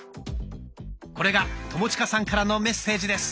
これが友近さんからのメッセージです。